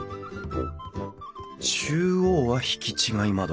中央は引き違い窓。